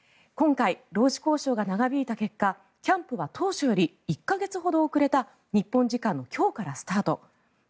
今回、労使交渉が長引いた結果キャンプは当初より１か月ほど遅れた日本時間の今日からスタート。